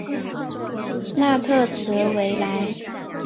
纳特兹维莱。